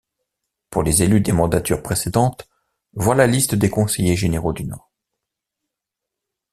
Pour les élus des mandatures précédentes, voir la liste des conseillers généraux du Nord.